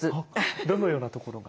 どのようなところが？